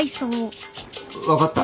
分かった。